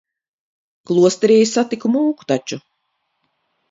Klosterī es satiku mūku taču.